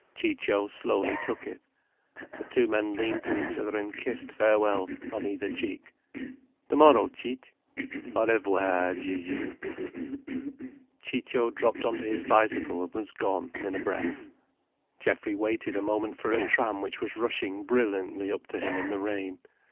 Ciccio slowly took it. The two men leaned to each other and kissed farewell, on either cheek. "Tomorrow, Cic'—" "Au revoir, Gigi." Ciccio dropped on to his bicycle and was gone in a breath. Geoffrey waited a moment for a tram which was rushing brilliantly up to him in the rain.